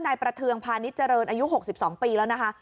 นายประเทืองพาณิชยเจริญอายุ๖๒ปีแล้วนะคะ